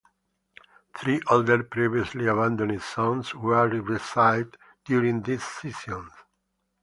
Three older, previously abandoned songs were revisited during these sessions.